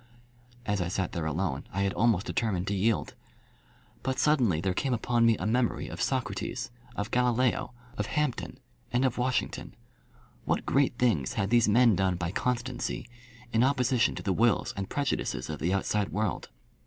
As I sat there alone I had almost determined to yield. But suddenly there came upon me a memory of Socrates, of Galileo, of Hampden, and of Washington. What great things had these men done by constancy, in opposition to the wills and prejudices of the outside world!